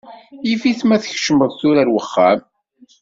Yif-it ma tkecmeḍ tura ar wexxam.